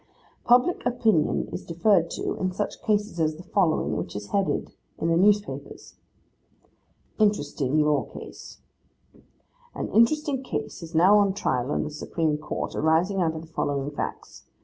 Public opinion is deferred to, in such cases as the following: which is headed in the newspapers:— 'Interesting Law Case. 'An interesting case is now on trial in the Supreme Court, arising out of the following facts.